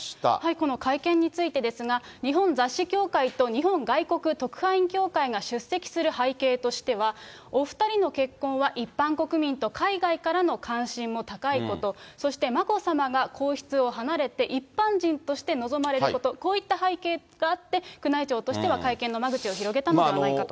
この会見についてですが、日本雑誌協会と日本外国特派員協会が出席する背景としては、お２人の結婚は一般国民と海外からの関心も高いこと、そして眞子さまが皇室を離れて一般人として臨まれること、こういった背景があって、宮内庁としては会見の間口を広げたのではないかと。